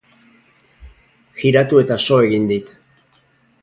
Jiratu eta so egin dit.